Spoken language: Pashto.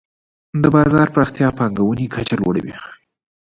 د بازار پراختیا د پانګونې کچه لوړوي.